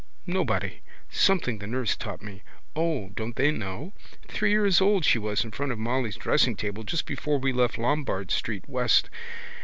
Nobody. Something the nurse taught me. O, don't they know! Three years old she was in front of Molly's dressingtable, just before we left Lombard street west.